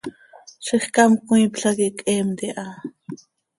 Zixcám cmiipla quih cheemt iha.